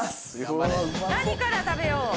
何から食べよう？